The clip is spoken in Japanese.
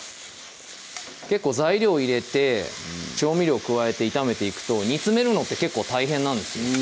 結構材料入れて調味料加えて炒めていくと煮詰めるのって結構大変なんです